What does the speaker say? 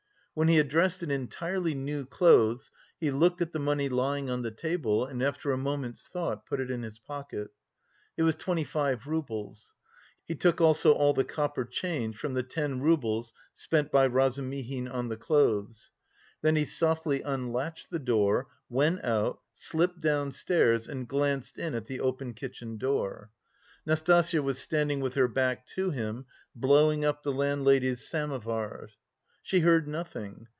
When he had dressed in entirely new clothes, he looked at the money lying on the table, and after a moment's thought put it in his pocket. It was twenty five roubles. He took also all the copper change from the ten roubles spent by Razumihin on the clothes. Then he softly unlatched the door, went out, slipped downstairs and glanced in at the open kitchen door. Nastasya was standing with her back to him, blowing up the landlady's samovar. She heard nothing.